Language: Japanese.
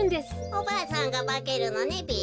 おばあさんがばけるのねべ。